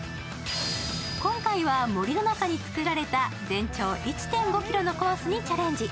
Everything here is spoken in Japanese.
今回は、森の中に作られた全長１．５ｋｍのコースにチャレンジ。